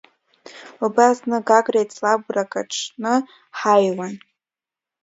Убас зны Гагра еицлабрак аҽны ҳаҩуан.